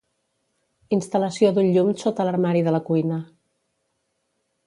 Instal·lació d'un llum sota l'armari de la cuina